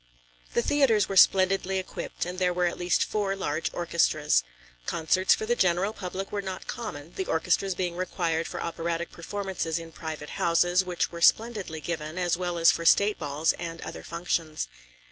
The theatres were splendidly equipped and there were at least four large orchestras. Concerts for the general public were not common, the orchestras being required for operatic performances in private houses, which were splendidly given, as well as for state balls and other functions.